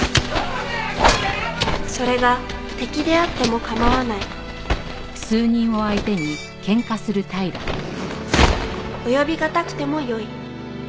「それが敵であつてもかまわない」「及びがたくてもよい」